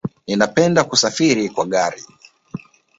Ninapenda kusafiri kwa gari